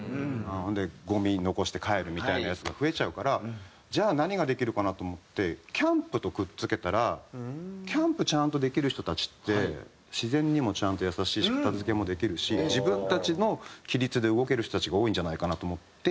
ほんでゴミ残して帰るみたいなヤツが増えちゃうからじゃあ何ができるかなと思ってキャンプとくっ付けたらキャンプちゃんとできる人たちって自然にもちゃんと優しいし片付けもできるし自分たちの規律で動ける人たちが多いんじゃないかなと思って。